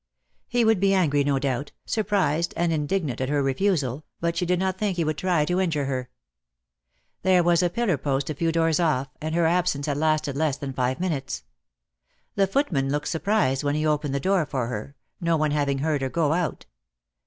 He would be angry no doubt, surprised and in dignant at her refusal, but she did not think he would try to injure her. There was a pillar post a few doors off, and her absence had lasted less than five minutes. The footman looked surprised when he opened the door for her, no one having heard her go out.